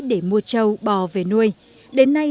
để mua châu bò về nuôi đến nay